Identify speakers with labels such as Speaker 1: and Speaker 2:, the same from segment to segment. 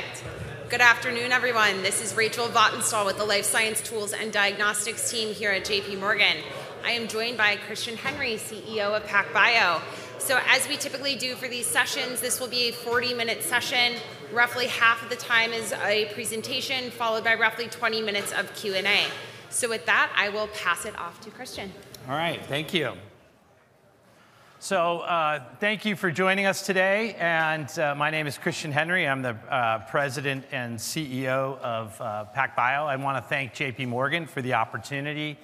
Speaker 1: Perfect. Good afternoon, everyone. This is Rachel Vatnsdal with the Life Science Tools and Diagnostics team here at J.P. Morgan. I am joined by Christian Henry, CEO of PacBio. So, as we typically do for these sessions, this will be a 40-minute session. Roughly half of the time is a presentation, followed by roughly 20 minutes of Q&A. So, with that, I will pass it off to Christian.
Speaker 2: All right. Thank you, so thank you for joining us today, and my name is Christian Henry. I'm the President and CEO of PacBio. I want to thank J.P. Morgan for the opportunity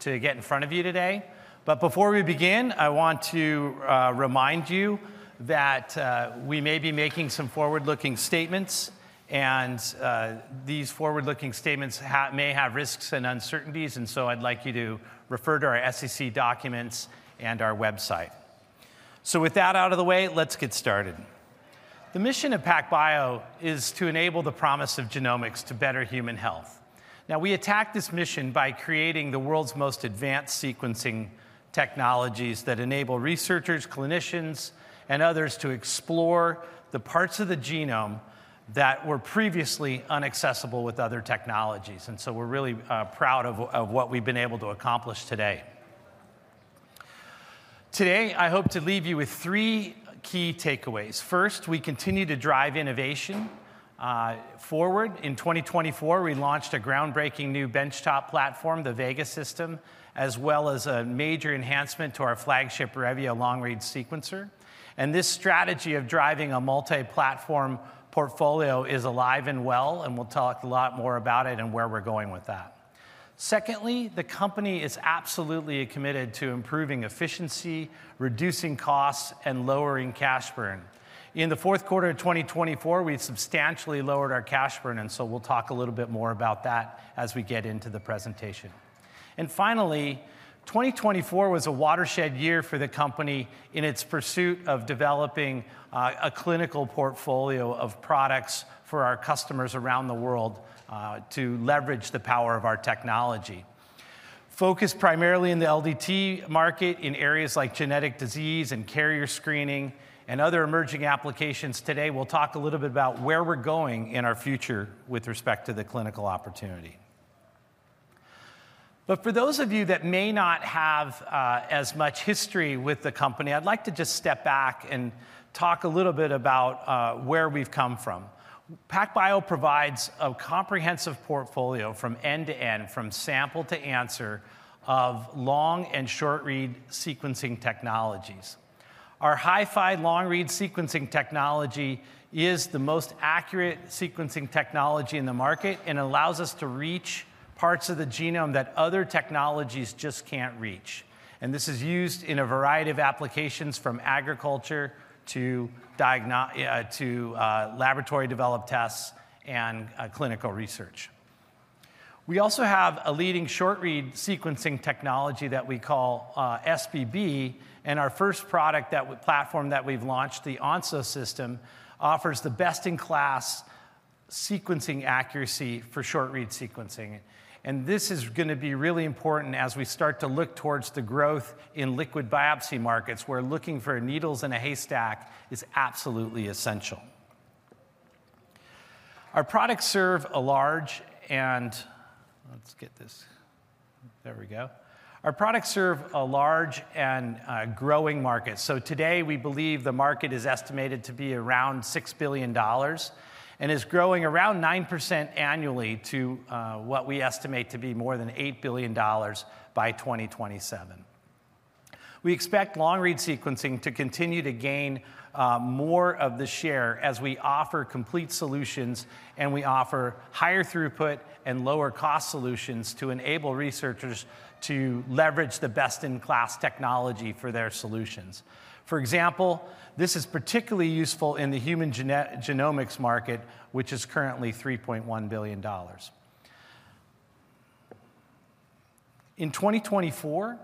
Speaker 2: to get in front of you today, but before we begin, I want to remind you that we may be making some forward-looking statements, and these forward-looking statements may have risks and uncertainties, and so I'd like you to refer to our SEC documents and our website. So with that out of the way, let's get started. The mission of PacBio is to enable the promise of genomics to better human health. Now we attack this mission by creating the world's most advanced sequencing technologies that enable researchers, clinicians, and others to explore the parts of the genome that were previously inaccessible with other technologies, and so we're really proud of what we've been able to accomplish today. Today, I hope to leave you with three key takeaways. First, we continue to drive innovation forward. In 2024, we launched a groundbreaking new benchtop platform, the Vega system, as well as a major enhancement to our flagship Revio long-read sequencer. And this strategy of driving a multi-platform portfolio is alive and well. And we'll talk a lot more about it and where we're going with that. Secondly, the company is absolutely committed to improving efficiency, reducing costs, and lowering cash burn. In the Q4 of 2024, we substantially lowered our cash burn. And so, we'll talk a little bit more about that as we get into the presentation. And finally, 2024 was a watershed year for the company in its pursuit of developing a clinical portfolio of products for our customers around the world to leverage the power of our technology. Focused primarily in the LDT market in areas like genetic disease and carrier screening and other emerging applications. Today, we'll talk a little bit about where we're going in our future with respect to the clinical opportunity. But for those of you that may not have as much history with the company, I'd like to just step back and talk a little bit about where we've come from. PacBio provides a comprehensive portfolio from end to end, from sample to answer, of long and short-read sequencing technologies. Our HiFi long-read sequencing technology is the most accurate sequencing technology in the market and allows us to reach parts of the genome that other technologies just can't reach. And this is used in a variety of applications, from agriculture to laboratory-developed tests and clinical research. We also have a leading short-read sequencing technology that we call SBB. Our first product platform that we've launched, the Onso system, offers the best-in-class sequencing accuracy for short-read sequencing. This is going to be really important as we start to look towards the growth in liquid biopsy markets, where looking for needles in a haystack is absolutely essential. Our products serve a large and growing market. Today, we believe the market is estimated to be around $6 billion and is growing around 9% annually to what we estimate to be more than $8 billion by 2027. We expect long-read sequencing to continue to gain more of the share as we offer complete solutions, and we offer higher throughput and lower-cost solutions to enable researchers to leverage the best-in-class technology for their solutions. For example, this is particularly useful in the human genomics market, which is currently $3.1 billion. In 2024,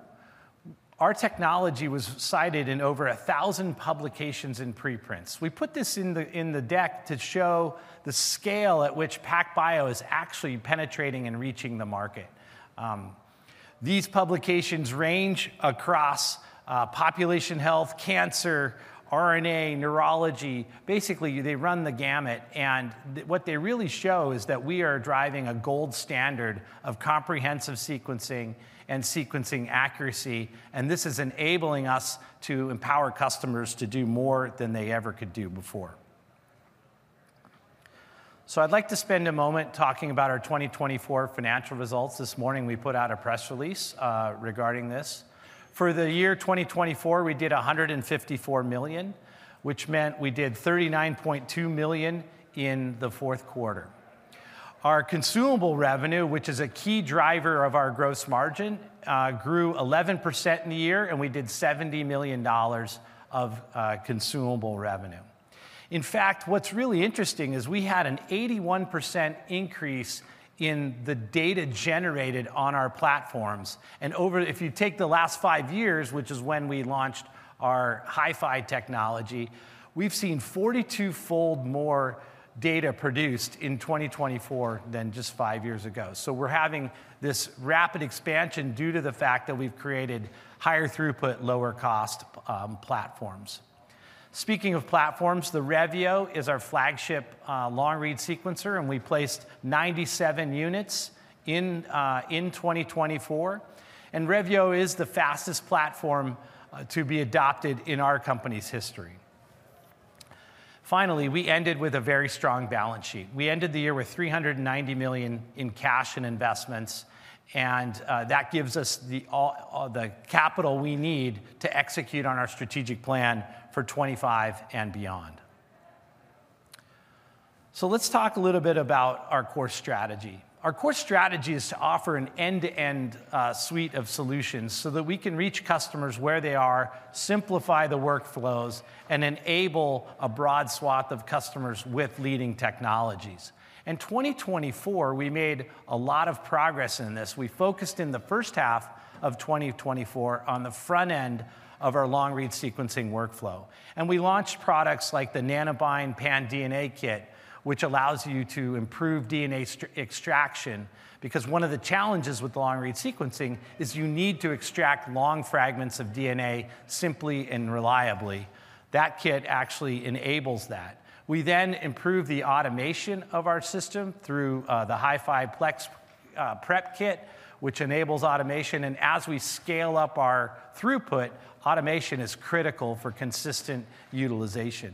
Speaker 2: our technology was cited in over 1,000 publications and preprints. We put this in the deck to show the scale at which PacBio is actually penetrating and reaching the market. These publications range across population health, cancer, RNA, neurology. Basically, they run the gamut, and what they really show is that we are driving a gold standard of comprehensive sequencing and sequencing accuracy, and this is enabling us to empower customers to do more than they ever could do before. So, I'd like to spend a moment talking about our 2024 financial results. This morning, we put out a press release regarding this. For the year 2024, we did $154 million, which meant we did $39.2 million in the Q4. Our consumable revenue, which is a key driver of our gross margin, grew 11% in the year. And we did $70 million of consumable revenue. In fact, what's really interesting is we had an 81% increase in the data generated on our platforms. And if you take the last five years, which is when we launched our HiFi technology, we've seen 42-fold more data produced in 2024 than just five years ago. So, we're having this rapid expansion due to the fact that we've created higher throughput, lower-cost platforms. Speaking of platforms, the Revio is our flagship long-read sequencer. And we placed 97 units in 2024. And Revio is the fastest platform to be adopted in our company's history. Finally, we ended with a very strong balance sheet. We ended the year with $390 million in cash and investments. That gives us the capital we need to execute on our strategic plan for 2025 and beyond. Let's talk a little bit about our core strategy. Our core strategy is to offer an end-to-end suite of solutions so that we can reach customers where they are, simplify the workflows, and enable a broad swath of customers with leading technologies. In 2024, we made a lot of progress in this. We focused in the first half of 2024 on the front end of our long-read sequencing workflow. We launched products like the Nanobind PanDNA Kit, which allows you to improve DNA extraction. Because one of the challenges with long-read sequencing is you need to extract long fragments of DNA simply and reliably. That kit actually enables that. We then improved the automation of our system through the HiFi Plex Prep Kit, which enables automation. As we scale up our throughput, automation is critical for consistent utilization.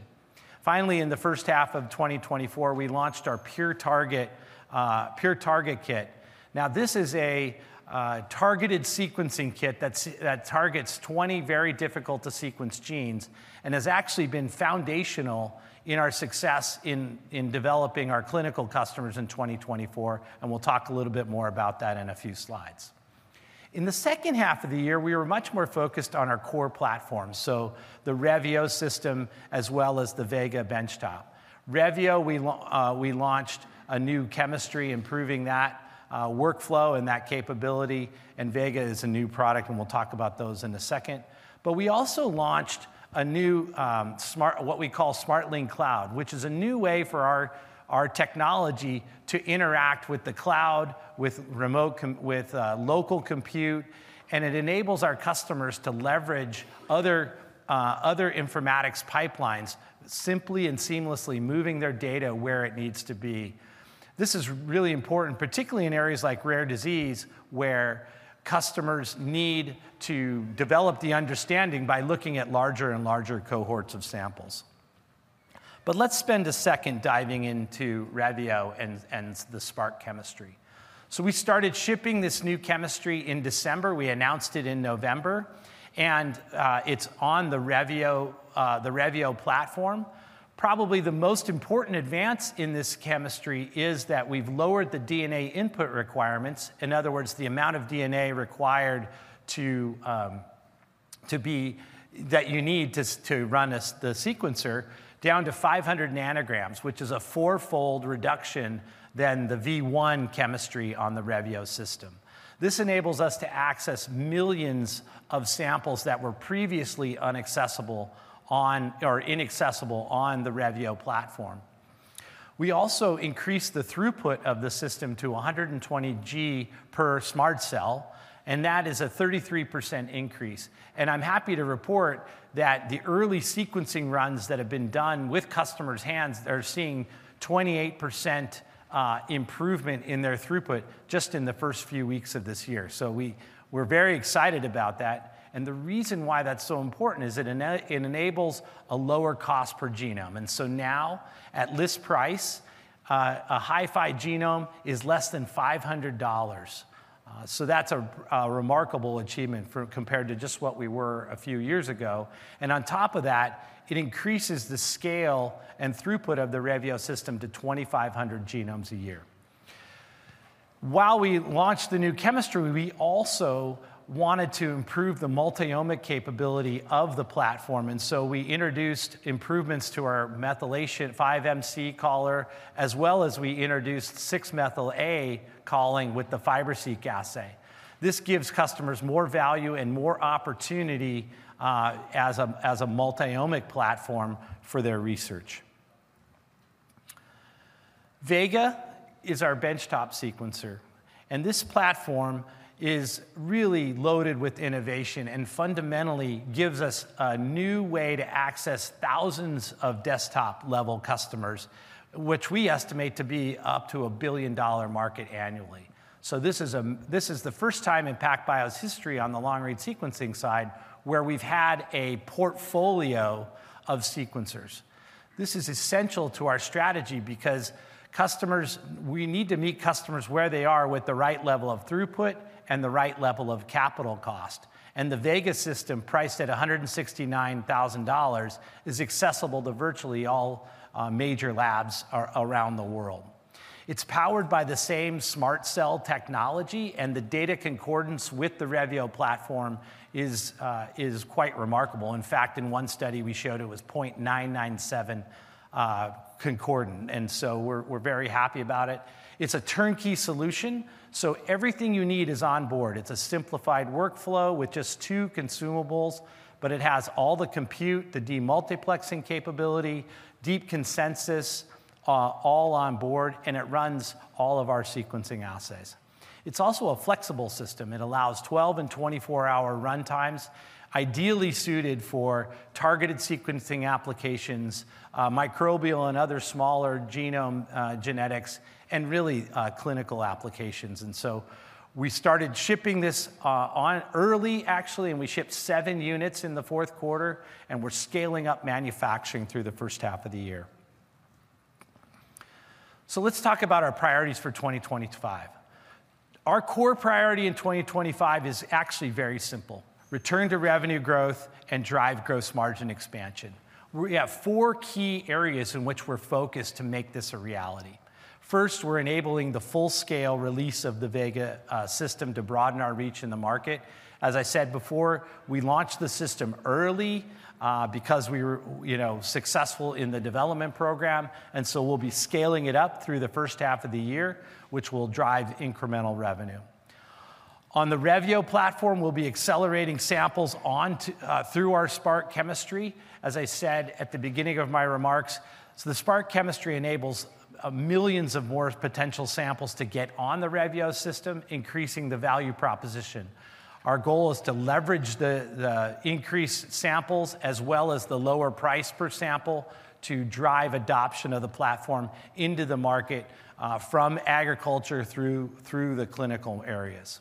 Speaker 2: Finally, in the first half of 2024, we launched our PureTarget Kit. Now, this is a targeted sequencing kit that targets 20 very difficult-to-sequence genes and has actually been foundational in our success in developing our clinical customers in 2024. We'll talk a little bit more about that in a few slides. In the second half of the year, we were much more focused on our core platforms, so the Revio system as well as the Vega benchtop. Revio, we launched a new chemistry improving that workflow and that capability. Vega is a new product. We'll talk about those in a second. We also launched a new, what we call, SmartLink Cloud, which is a new way for our technology to interact with the cloud, with local compute. It enables our customers to leverage other informatics pipelines, simply and seamlessly moving their data where it needs to be. This is really important, particularly in areas like rare disease, where customers need to develop the understanding by looking at larger and larger cohorts of samples. Let's spend a second diving into Revio and the Spark chemistry. We started shipping this new chemistry in December. We announced it in November. It's on the Revio platform. Probably the most important advance in this chemistry is that we've lowered the DNA input requirements. In other words, the amount of DNA required to be that you need to run the sequencer down to 500 nanograms, which is a four-fold reduction than the V1 chemistry on the Revio system. This enables us to access millions of samples that were previously inaccessible on the Revio platform. We also increased the throughput of the system to 120G per SMRT cell, and that is a 33% increase, and I'm happy to report that the early sequencing runs that have been done with customers' hands are seeing 28% improvement in their throughput just in the first few weeks of this year. We're very excited about that, and the reason why that's so important is it enables a lower cost per genome. Now, at list price, a HiFi genome is less than $500. That's a remarkable achievement compared to just what we were a few years ago, and on top of that, it increases the scale and throughput of the Revio system to 2,500 genomes a year. While we launched the new chemistry, we also wanted to improve the multi-omic capability of the platform. We introduced improvements to our methylation 5-MC caller, as well as we introduced 6-Methyl A calling with the Fiber-seq assay. This gives customers more value and more opportunity as a multi-omic platform for their research. Vega is our benchtop sequencer. This platform is really loaded with innovation and fundamentally gives us a new way to access thousands of desktop-level customers, which we estimate to be up to a billion-dollar market annually. This is the first time in PacBio's history on the long-read sequencing side where we've had a portfolio of sequencers. This is essential to our strategy because we need to meet customers where they are with the right level of throughput and the right level of capital cost. The Vega system, priced at $169,000, is accessible to virtually all major labs around the world. It's powered by the same SMRT cell technology. And the data concordance with the Revio platform is quite remarkable. In fact, in one study, we showed it was 0.997 concordant. And so, we're very happy about it. It's a turnkey solution. So, everything you need is on board. It's a simplified workflow with just two consumables. But it has all the compute, the demultiplexing capability, DeepConsensus, all on board. And it runs all of our sequencing assays. It's also a flexible system. It allows 12 and 24-hour runtimes, ideally suited for targeted sequencing applications, microbial and other smaller genome genetics, and really clinical applications. And so, we started shipping this early, actually. And we shipped seven units in the fourth quarter. And we're scaling up manufacturing through the first half of the year. So, let's talk about our priorities for 2025. Our core priority in 2025 is actually very simple: return to revenue growth and drive gross margin expansion. We have four key areas in which we're focused to make this a reality. First, we're enabling the full-scale release of the Vega system to broaden our reach in the market. As I said before, we launched the system early because we were successful in the development program. And so, we'll be scaling it up through the first half of the year, which will drive incremental revenue. On the Revio platform, we'll be accelerating samples through our Spark chemistry, as I said at the beginning of my remarks. So, the Spark chemistry enables millions of more potential samples to get on the Revio system, increasing the value proposition. Our goal is to leverage the increased samples as well as the lower price per sample to drive adoption of the platform into the market from agriculture through the clinical areas.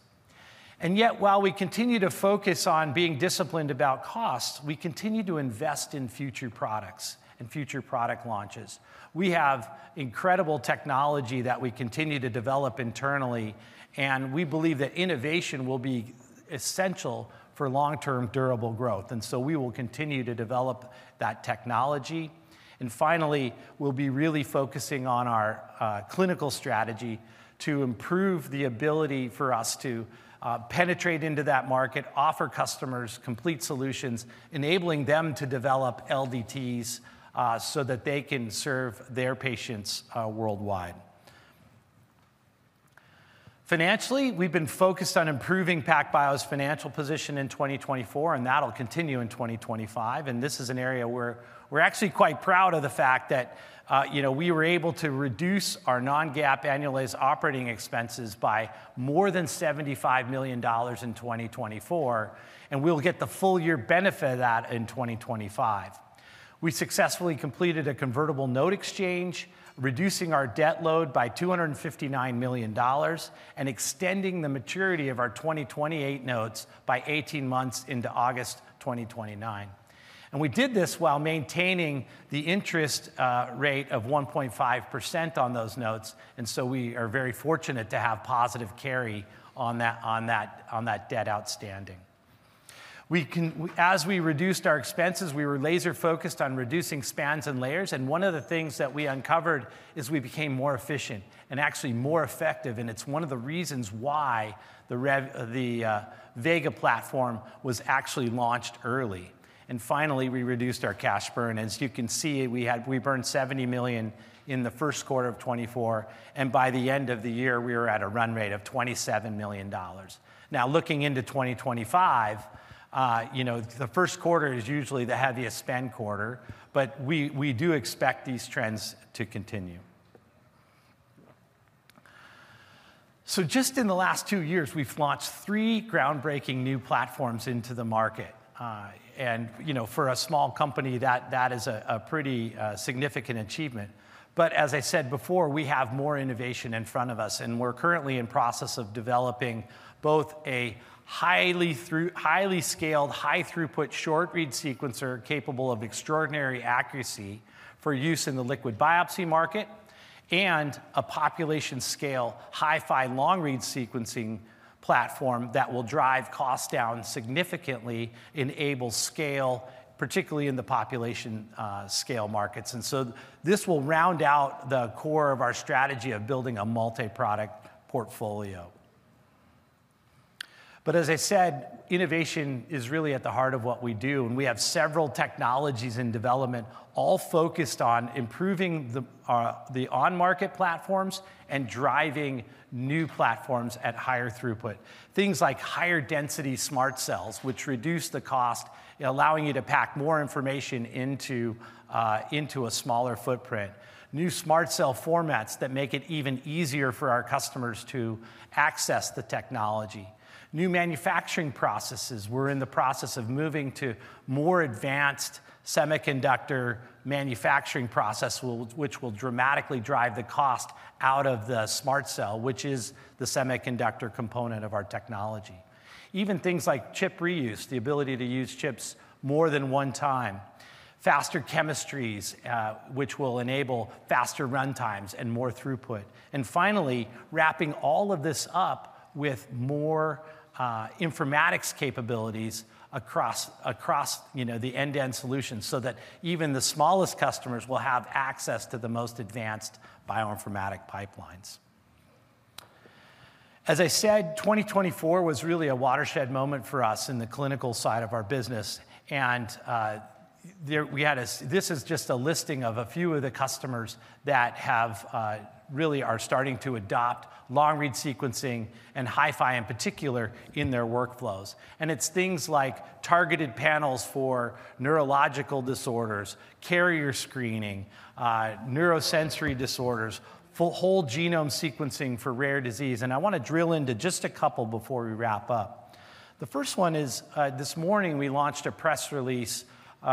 Speaker 2: And yet, while we continue to focus on being disciplined about cost, we continue to invest in future products and future product launches. We have incredible technology that we continue to develop internally. And we believe that innovation will be essential for long-term durable growth. And so, we will continue to develop that technology. And finally, we'll be really focusing on our clinical strategy to improve the ability for us to penetrate into that market, offer customers complete solutions, enabling them to develop LDTs so that they can serve their patients worldwide. Financially, we've been focused on improving PacBio's financial position in 2024. And that'll continue in 2025. This is an area where we're actually quite proud of the fact that we were able to reduce our non-GAAP annualized operating expenses by more than $75 million in 2024. We'll get the full-year benefit of that in 2025. We successfully completed a convertible note exchange, reducing our debt load by $259 million and extending the maturity of our 2028 notes by 18 months into August 2029. We did this while maintaining the interest rate of 1.5% on those notes. So, we are very fortunate to have positive carry on that debt outstanding. As we reduced our expenses, we were laser-focused on reducing spans and layers. One of the things that we uncovered is we became more efficient and actually more effective. It's one of the reasons why the Vega platform was actually launched early. Finally, we reduced our cash burn. As you can see, we burned $70 million in the first quarter of 2024. By the end of the year, we were at a run rate of $27 million. Now, looking into 2025, the first quarter is usually the heaviest spend quarter. We do expect these trends to continue. Just in the last two years, we've launched three groundbreaking new platforms into the market. For a small company, that is a pretty significant achievement. As I said before, we have more innovation in front of us. We're currently in the process of developing both a highly scaled, high-throughput short-read sequencer capable of extraordinary accuracy for use in the liquid biopsy market and a population-scale HiFi long-read sequencing platform that will drive costs down significantly, enable scale, particularly in the population-scale markets. And so, this will round out the core of our strategy of building a multi-product portfolio. But as I said, innovation is really at the heart of what we do. And we have several technologies in development, all focused on improving the on-market platforms and driving new platforms at higher throughput. Things like higher-density SMRT cells, which reduce the cost, allowing you to pack more information into a smaller footprint. New SMRT cell formats that make it even easier for our customers to access the technology. New manufacturing processes. We're in the process of moving to more advanced semiconductor manufacturing process, which will dramatically drive the cost out of the SMRT cell, which is the semiconductor component of our technology. Even things like chip reuse, the ability to use chips more than one time. Faster chemistries, which will enable faster runtimes and more throughput. Finally, wrapping all of this up with more informatics capabilities across the end-to-end solutions so that even the smallest customers will have access to the most advanced bioinformatic pipelines. As I said, 2024 was really a watershed moment for us in the clinical side of our business. This is just a listing of a few of the customers that really are starting to adopt long-read sequencing and HiFi in particular in their workflows. It's things like targeted panels for neurological disorders, carrier screening, neurosensory disorders, whole genome sequencing for rare disease. I want to drill into just a couple before we wrap up. The first one is this morning, we launched a press release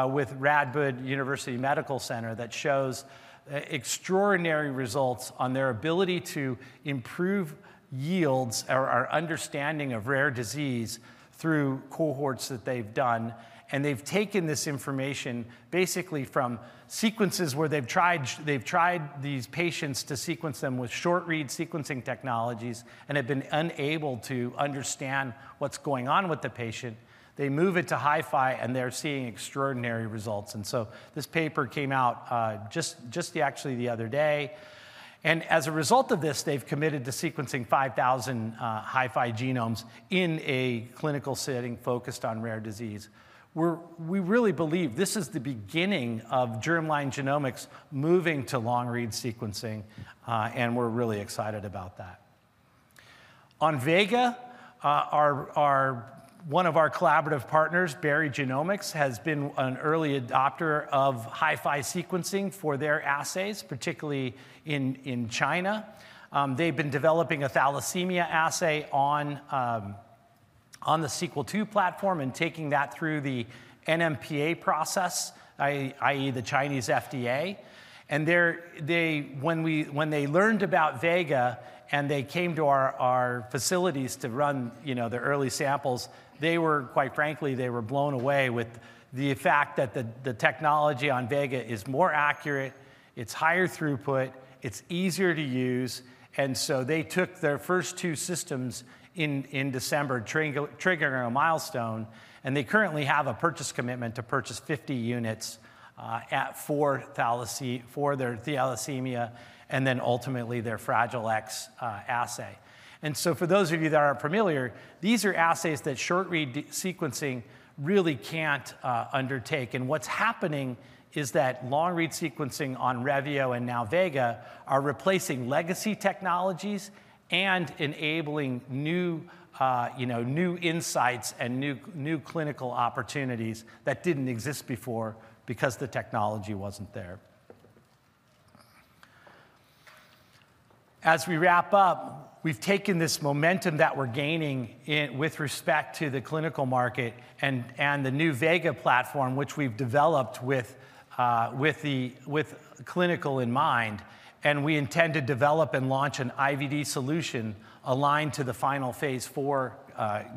Speaker 2: with Radboud University Medical Center that shows extraordinary results on their ability to improve yields or our understanding of rare disease through cohorts that they've done. They've taken this information basically from sequences where they've tried these patients to sequence them with short-read sequencing technologies and have been unable to understand what's going on with the patient. They move it to HiFi. They're seeing extraordinary results. This paper came out just actually the other day. As a result of this, they've committed to sequencing 5,000 HiFi genomes in a clinical setting focused on rare disease. We really believe this is the beginning of germline genomics moving to long-read sequencing. We're really excited about that. On Vega, one of our collaborative partners, Berry Genomics, has been an early adopter of HiFi sequencing for their assays, particularly in China. They've been developing a thalassemia assay on the SQL2 platform and taking that through the NMPA process, i.e., the Chinese FDA. When they learned about Vega and they came to our facilities to run the early samples, they were, quite frankly, they were blown away with the fact that the technology on Vega is more accurate. It's higher throughput. It's easier to use. So, they took their first two systems in December, triggering a milestone. They currently have a purchase commitment to purchase 50 units for the thalassemia and then ultimately their Fragile X assay. For those of you that are familiar, these are assays that short-read sequencing really can't undertake. What's happening is that long-read sequencing on Revio and now Vega are replacing legacy technologies and enabling new insights and new clinical opportunities that didn't exist before because the technology wasn't there. As we wrap up, we've taken this momentum that we're gaining with respect to the clinical market and the new Vega platform, which we've developed with clinical in mind, and we intend to develop and launch an IVD solution aligned to the final phase four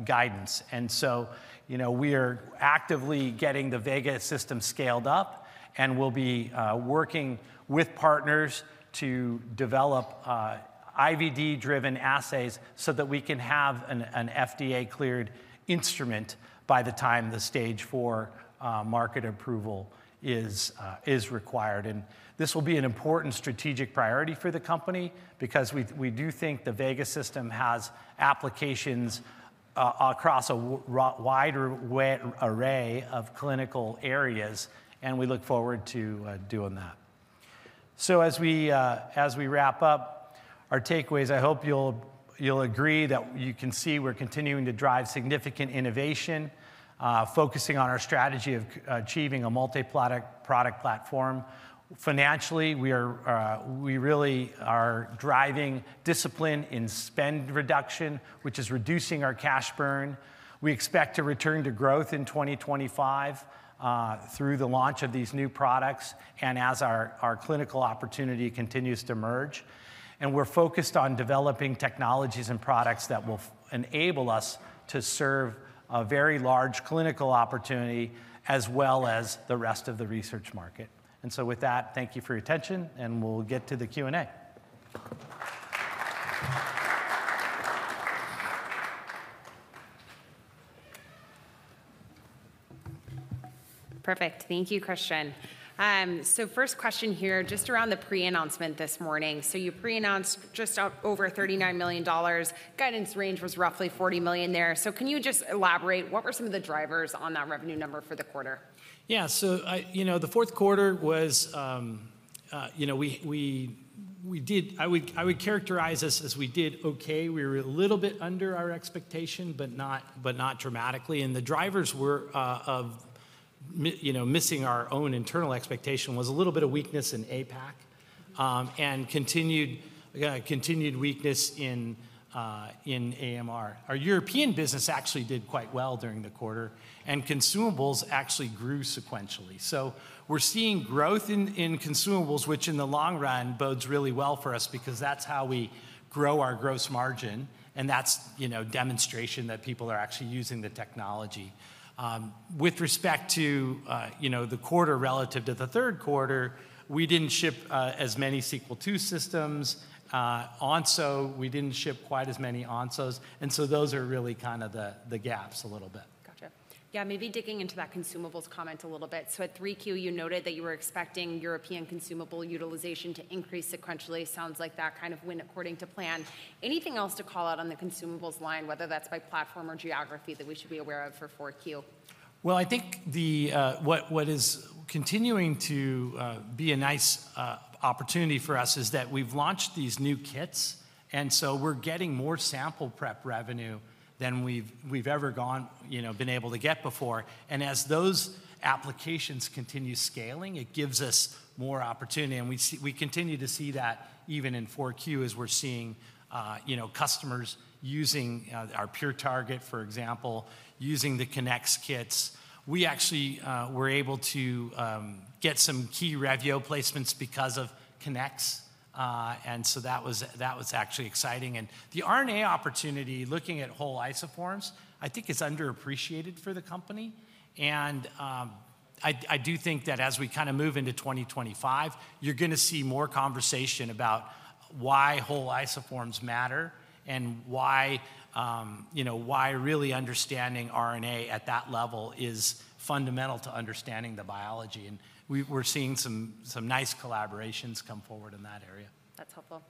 Speaker 2: guidance, so we are actively getting the Vega system scaled up, and we'll be working with partners to develop IVD-driven assays so that we can have an FDA-cleared instrument by the time the stage four market approval is required, and this will be an important strategic priority for the company because we do think the Vega system has applications across a wider array of clinical areas, and we look forward to doing that, so as we wrap up our takeaways, I hope you'll agree that you can see we're continuing to drive significant innovation, focusing on our strategy of achieving a multi-product platform. Financially, we really are driving discipline in spend reduction, which is reducing our cash burn. We expect to return to growth in 2025 through the launch of these new products and as our clinical opportunity continues to emerge. We're focused on developing technologies and products that will enable us to serve a very large clinical opportunity as well as the rest of the research market. With that, thank you for your attention. We'll get to the Q&A.
Speaker 1: Perfect. Thank you, Christian. First question here, just around the pre-announcement this morning. You pre-announced just over $39 million. Guidance range was roughly $40 million there. Can you just elaborate? What were some of the drivers on that revenue number for the quarter?
Speaker 2: Yeah. The Q4 was we did. I would characterize this as we did okay. We were a little bit under our expectation, but not dramatically, and the drivers of missing our own internal expectation was a little bit of weakness in APAC and continued weakness in AMR. Our European business actually did quite well during the quarter, and consumables actually grew sequentially. So, we're seeing growth in consumables, which in the long run bodes really well for us because that's how we grow our gross margin, and that's a demonstration that people are actually using the technology. With respect to the quarter relative to the third quarter, we didn't ship as many Sequel II systems. Onso, we didn't ship quite as many Onsos, and so, those are really kind of the gaps a little bit.
Speaker 1: Gotcha. Yeah, maybe digging into that consumables comment a little bit. So, at 3Q, you noted that you were expecting European consumable utilization to increase sequentially. Sounds like that kind of went according to plan. Anything else to call out on the consumables line, whether that's by platform or geography, that we should be aware of for 4Q?
Speaker 2: Well, I think what is continuing to be a nice opportunity for us is that we've launched these new kits. And so, we're getting more sample prep revenue than we've ever been able to get before. And as those applications continue scaling, it gives us more opportunity. And we continue to see that even in 4Q as we're seeing customers using our PureTarget, for example, using the Kinnex kits. We actually were able to get some key Revio placements because of Kinnex. And so, that was actually exciting. And the RNA opportunity, looking at whole isoforms, I think is underappreciated for the company. I do think that as we kind of move into 2025, you're going to see more conversation about why whole isoforms matter and why really understanding RNA at that level is fundamental to understanding the biology. And we're seeing some nice collaborations come forward in that area.
Speaker 1: That's helpful.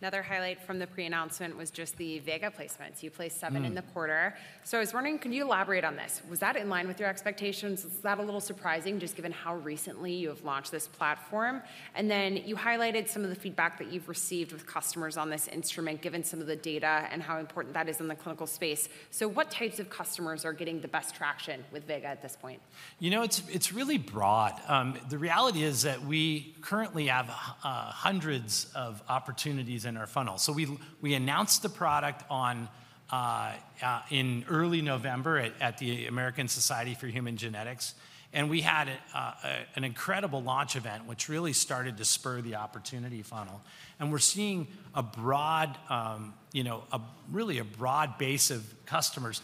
Speaker 1: Another highlight from the pre-announcement was just the Vega placements. You placed seven in the quarter. So, I was wondering, can you elaborate on this? Was that in line with your expectations? Was that a little surprising, just given how recently you have launched this platform? And then you highlighted some of the feedback that you've received with customers on this instrument, given some of the data and how important that is in the clinical space. So, what types of customers are getting the best traction with Vega at this point?
Speaker 2: You know, it's really broad. The reality is that we currently have hundreds of opportunities in our funnel, so we announced the product in early November at the American Society for Human Genetics, and we had an incredible launch event, which really started to spur the opportunity funnel, and we're seeing a broad, really a broad base of customers,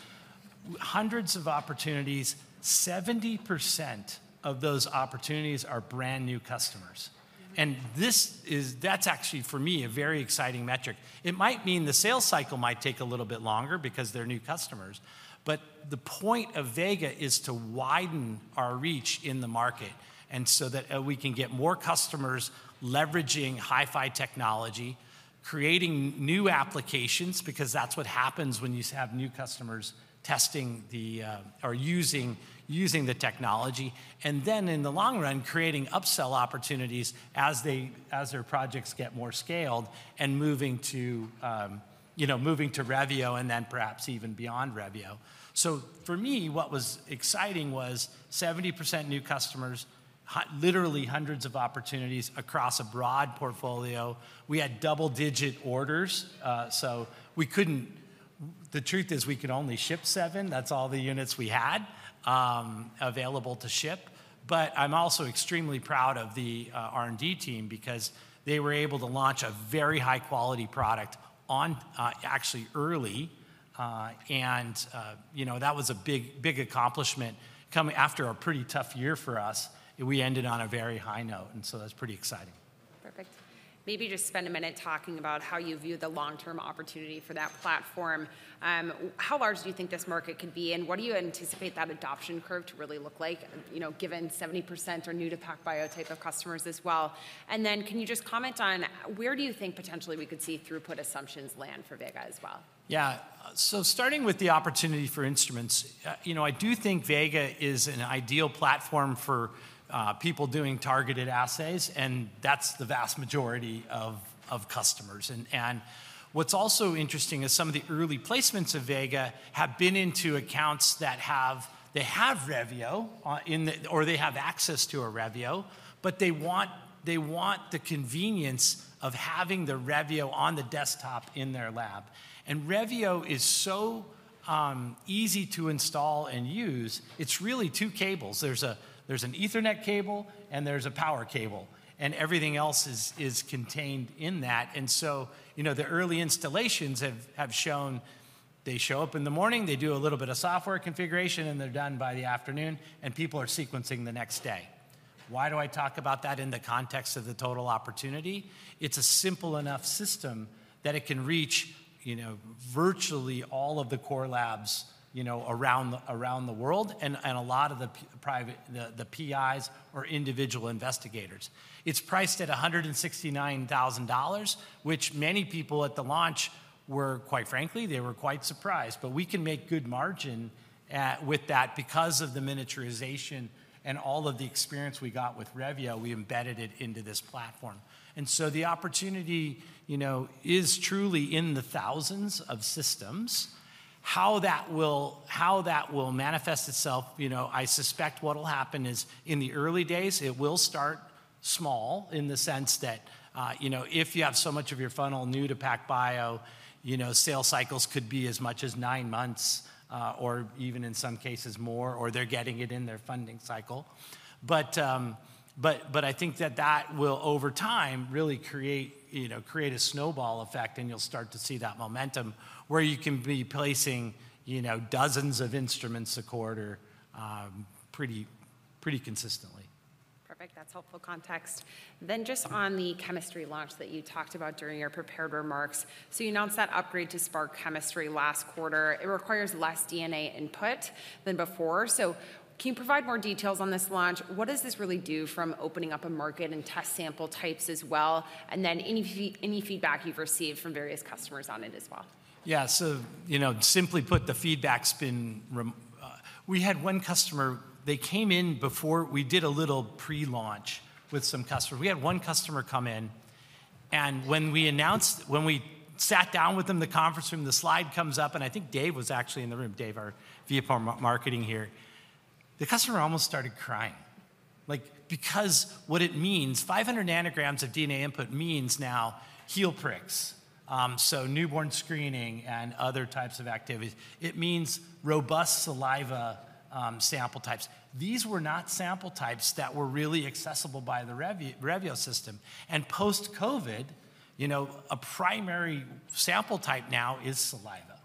Speaker 2: hundreds of opportunities. 70% of those opportunities are brand new customers, and that's actually, for me, a very exciting metric. It might mean the sales cycle might take a little bit longer because they're new customers, but the point of Vega is to widen our reach in the market so that we can get more customers leveraging HiFi technology, creating new applications, because that's what happens when you have new customers testing or using the technology. Then, in the long run, creating upsell opportunities as their projects get more scaled and moving to Revio and then perhaps even beyond Revio. So, for me, what was exciting was 70% new customers, literally hundreds of opportunities across a broad portfolio. We had double-digit orders. So, the truth is we could only ship seven. That's all the units we had available to ship. But I'm also extremely proud of the R&D team because they were able to launch a very high-quality product actually early. And that was a big accomplishment after a pretty tough year for us. We ended on a very high note. And so, that's pretty exciting.
Speaker 1: Perfect. Maybe just spend a minute talking about how you view the long-term opportunity for that platform. How large do you think this market could be? What do you anticipate that adoption curve to really look like, given 70% are new to PacBio type of customers as well? And then can you just comment on where do you think potentially we could see throughput assumptions land for Vega as well?
Speaker 2: Yeah. Starting with the opportunity for instruments, I do think Vega is an ideal platform for people doing targeted assays. And that's the vast majority of customers. And what's also interesting is some of the early placements of Vega have been into accounts that have Revio or they have access to a Revio, but they want the convenience of having the Revio on the desktop in their lab. And Revio is so easy to install and use. It's really two cables. There's an Ethernet cable, and there's a power cable. And everything else is contained in that. And so, the early installations have shown they show up in the morning. They do a little bit of software configuration, and they're done by the afternoon. And people are sequencing the next day. Why do I talk about that in the context of the total opportunity? It's a simple enough system that it can reach virtually all of the core labs around the world and a lot of the PIs or individual investigators. It's priced at $169,000, which many people at the launch, quite frankly, they were quite surprised. But we can make good margin with that because of the miniaturization and all of the experience we got with Revio. We embedded it into this platform. And so, the opportunity is truly in the thousands of systems. How that will manifest itself, I suspect what will happen is in the early days, it will start small in the sense that if you have so much of your funnel new to PacBio, sales cycles could be as much as nine months or even in some cases more, or they're getting it in their funding cycle. But I think that that will, over time, really create a snowball effect. And you'll start to see that momentum where you can be placing dozens of instruments a quarter pretty consistently.
Speaker 1: Perfect. That's helpful context. Then just on the chemistry launch that you talked about during your prepared remarks. So, you announced that upgrade to Spark Chemistry last quarter. It requires less DNA input than before. So, can you provide more details on this launch? What does this really do from opening up a market and test sample types as well? And then any feedback you've received from various customers on it as well?
Speaker 2: Yeah. So, simply put, the feedback's been we had one customer. They came in before. We did a little pre-launch with some customers. We had one customer come in. And when we sat down with them in the conference room, the slide comes up. And I think Dave was actually in the room, Dave Westenberg, our VP of Marketing here. The customer almost started crying because what it means, 500 nanograms of DNA input means now heel pricks, so newborn screening and other types of activities. It means robust saliva sample types. These were not sample types that were really accessible by the Revio system. And post-COVID, a primary sample type now is saliva.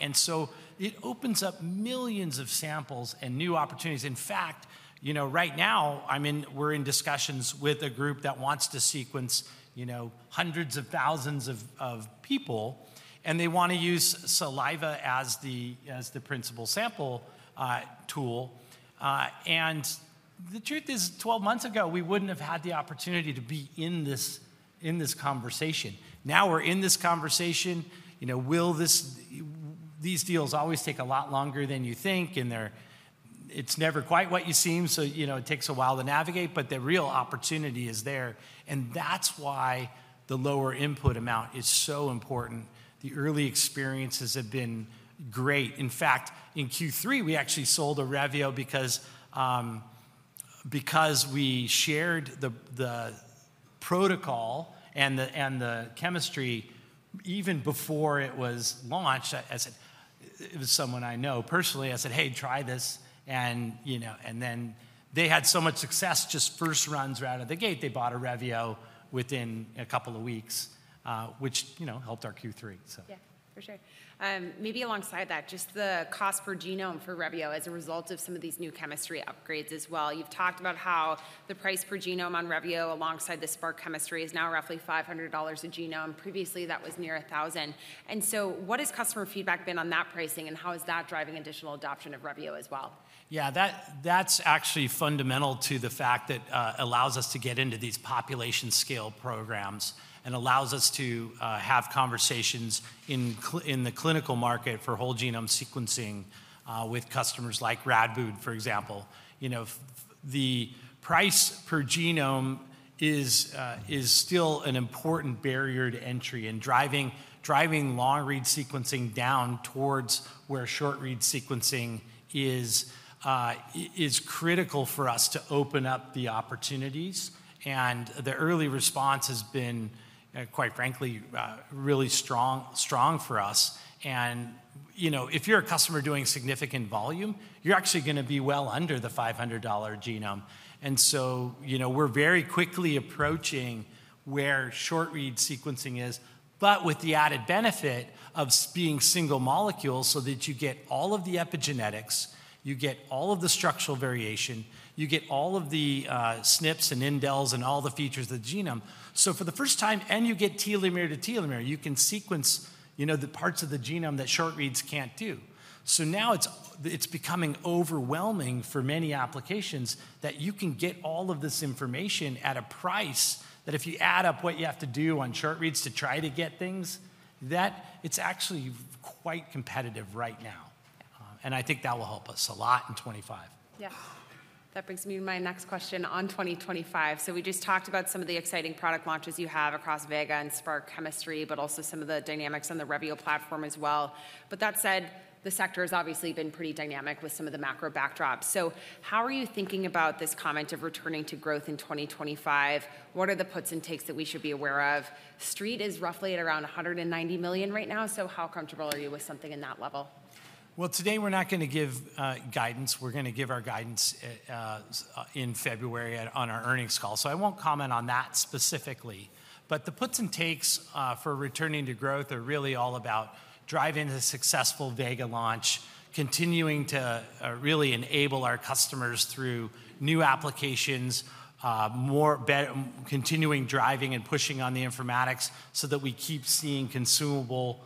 Speaker 2: And so, it opens up millions of samples and new opportunities. In fact, right now, we're in discussions with a group that wants to sequence hundreds of thousands of people. And they want to use saliva as the principal sample tool. And the truth is, 12 months ago, we wouldn't have had the opportunity to be in this conversation. Now we're in this conversation. These deals always take a lot longer than you think. And it's never quite what it seems. So, it takes a while to navigate. But the real opportunity is there. And that's why the lower input amount is so important. The early experiences have been great. In fact, in Q3, we actually sold a Revio because we shared the protocol and the chemistry even before it was launched. It was someone I know personally. I said, "Hey, try this." And then they had so much success, just first runs right out of the gate. They bought a Revio within a couple of weeks, which helped our Q3.
Speaker 1: Yeah, for sure. Maybe alongside that, just the cost per genome for Revio as a result of some of these new chemistry upgrades as well. You've talked about how the price per genome on Revio alongside the Spark chemistry is now roughly $500 a genome. Previously, that was near $1,000. And so, what has customer feedback been on that pricing? And how is that driving additional adoption of Revio as well?
Speaker 2: Yeah, that's actually fundamental to the fact that it allows us to get into these population-scale programs and allows us to have conversations in the clinical market for whole genome sequencing with customers like Radboud, for example. The price per genome is still an important barrier to entry in driving long-read sequencing down towards where short-read sequencing is critical for us to open up the opportunities. And the early response has been, quite frankly, really strong for us. And if you're a customer doing significant volume, you're actually going to be well under the $500 genome. And so, we're very quickly approaching where short-read sequencing is, but with the added benefit of being single molecules so that you get all of the epigenetics, you get all of the structural variation, you get all of the SNPs and indels and all the features of the genome. So, for the first time, and you get telomere to telomere, you can sequence the parts of the genome that short-reads can't do. So, now it's becoming overwhelming for many applications that you can get all of this information at a price that if you add up what you have to do on short-reads to try to get things, it's actually quite competitive right now. And I think that will help us a lot in 2025.
Speaker 1: Yeah. That brings me to my next question on 2025. So, we just talked about some of the exciting product launches you have across Vega and Spark chemistry, but also some of the dynamics on the Revio platform as well. But that said, the sector has obviously been pretty dynamic with some of the macro backdrops. So, how are you thinking about this comment of returning to growth in 2025? What are the puts and takes that we should be aware of? Street is roughly at around $190 million right now. So, how comfortable are you with something in that level?
Speaker 2: Well, today, we're not going to give guidance. We're going to give our guidance in February on our earnings call. So, I won't comment on that specifically. But the puts and takes for returning to growth are really all about driving a successful Vega launch, continuing to really enable our customers through new applications, continuing driving and pushing on the informatics so that we keep seeing consumable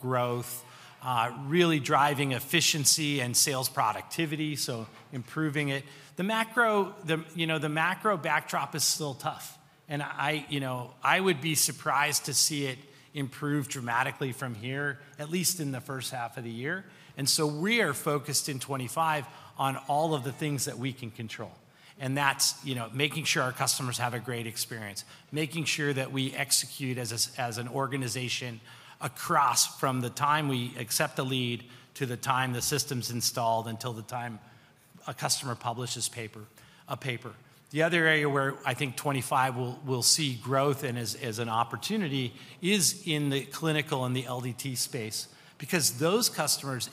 Speaker 2: growth, really driving efficiency and sales productivity, so improving it. The macro backdrop is still tough. And I would be surprised to see it improve dramatically from here, at least in the first half of the year. And so, we are focused in 2025 on all of the things that we can control. And that's making sure our customers have a great experience, making sure that we execute as an organization across from the time we accept a lead to the time the system's installed until the time a customer publishes a paper. The other area where I think 2025 we'll see growth and an opportunity is in the clinical and the LDT space because those customers,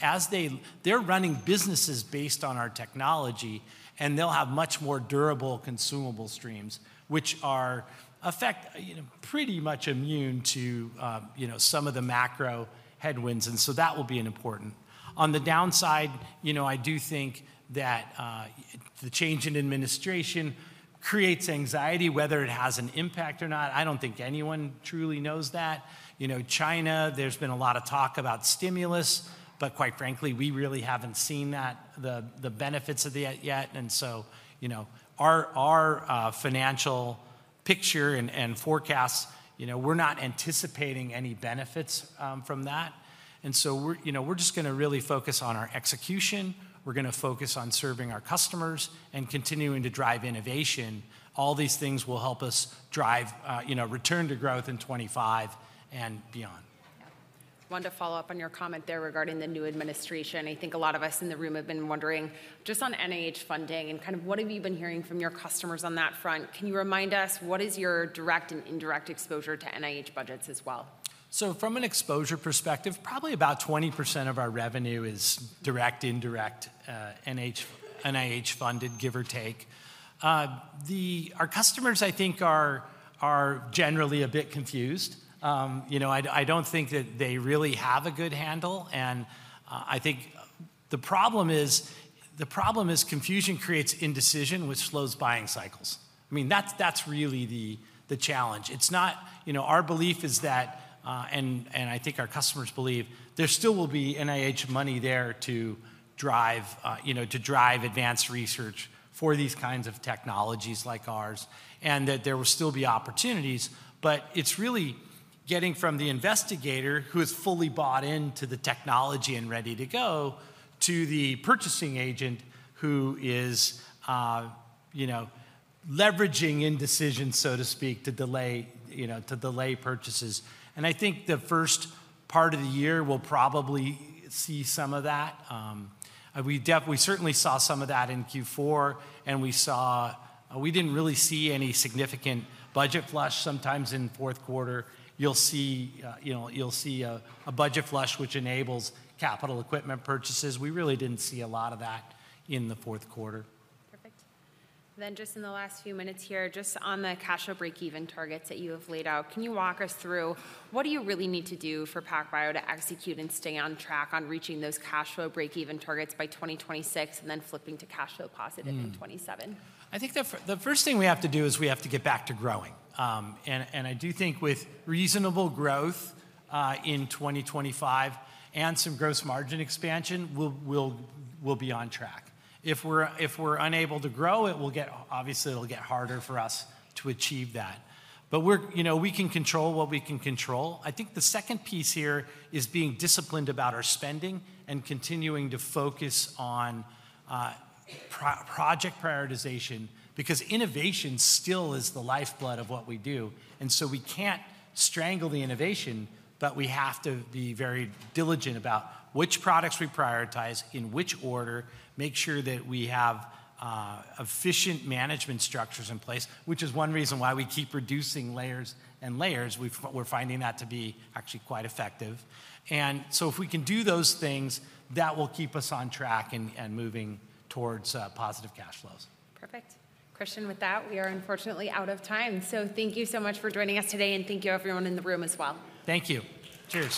Speaker 2: they're running businesses based on our technology. And they'll have much more durable consumable streams, which are pretty much immune to some of the macro headwinds. And so, that will be an important. On the downside, I do think that the change in administration creates anxiety, whether it has an impact or not. I don't think anyone truly knows that. China, there's been a lot of talk about stimulus. But quite frankly, we really haven't seen the benefits of that yet. And so, our financial picture and forecasts, we're not anticipating any benefits from that. And so, we're just going to really focus on our execution. We're going to focus on serving our customers and continuing to drive innovation. All these things will help us drive return to growth in 2025 and beyond. Yeah. I wanted to follow up on your comment there regarding the new administration. I think a lot of us in the room have been wondering just on NIH funding and kind of what have you been hearing from your customers on that front? Can you remind us what is your direct and indirect exposure to NIH budgets as well? So, from an exposure perspective, probably about 20% of our revenue is direct, indirect NIH funded, give or take. Our customers, I think, are generally a bit confused. I don't think that they really have a good handle, and I think the problem is confusion creates indecision, which slows buying cycles. I mean, that's really the challenge. Our belief is that, and I think our customers believe, there still will be NIH money there to drive advanced research for these kinds of technologies like ours and that there will still be opportunities. But it's really getting from the investigator who is fully bought into the technology and ready to go to the purchasing agent who is leveraging indecision, so to speak, to delay purchases. And I think the first part of the year we'll probably see some of that. We certainly saw some of that in Q4. And we didn't really see any significant budget flush. Sometimes in fourth quarter, you'll see a budget flush, which enables capital equipment purchases. We really didn't see a lot of that in the fourth quarter.
Speaker 1: Perfect. Then just in the last few minutes here, just on the cash flow break-even targets that you have laid out, can you walk us through what do you really need to do for PacBio to execute and stay on track on reaching those cash flow break-even targets by 2026 and then flipping to cash flow positive in 2027?
Speaker 2: I think the first thing we have to do is we have to get back to growing. And I do think with reasonable growth in 2025 and some gross margin expansion, we'll be on track. If we're unable to grow, obviously, it'll get harder for us to achieve that. But we can control what we can control. I think the second piece here is being disciplined about our spending and continuing to focus on project prioritization because innovation still is the lifeblood of what we do. And so, we can't strangle the innovation, but we have to be very diligent about which products we prioritize, in which order, make sure that we have efficient management structures in place, which is one reason why we keep reducing layers and layers. We're finding that to be actually quite effective. And so, if we can do those things, that will keep us on track and moving towards positive cash flows.
Speaker 1: Perfect. Christian, with that, we are unfortunately out of time. So, thank you so much for joining us today. And thank you, everyone in the room as well.
Speaker 2: Thank you. Cheers.